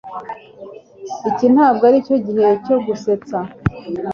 Iki ntabwo aricyo gihe cyo gusetsa